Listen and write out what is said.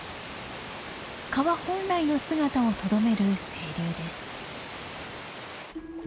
川本来の姿をとどめる清流です。